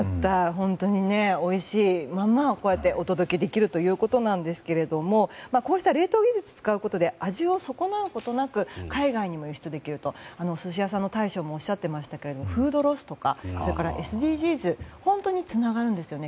本当においしいものをこうやってお届けできるということなんですがこうした冷凍技術を使うことで味を損なうことなく海外にも輸出できるとお寿司屋さんの大将もおっしゃっていましたがフードロスとかＳＤＧｓに本当につながるんですよね。